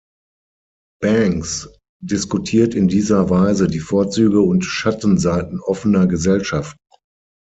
Banks diskutiert in dieser Weise die Vorzüge und Schattenseiten offener Gesellschaften.